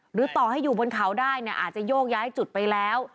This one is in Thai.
หรือต่อให้อยู่บนเขาได้เนี่ยอาจจะโยกย้ายจุดไปแล้ว